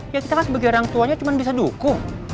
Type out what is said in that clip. ya kita kan sebagai orang tuanya cuma bisa dukung